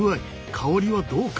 香りはどうか？